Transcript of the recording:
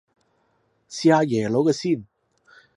試下耶魯嘅先